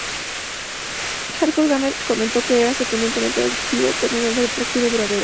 Hardcore Gamer comentó que era "sorprendentemente adictivo" con "enorme atractivo duradero".